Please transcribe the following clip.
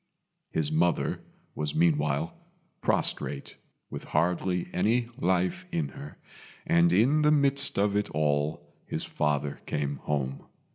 His mother was meanwhile prostrate, with hardly any life in her, and in the midst of it all his father came home.